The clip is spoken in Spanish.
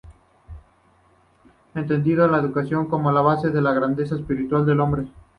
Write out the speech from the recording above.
Entendió a la educación como la base de la grandeza espiritual del hombre.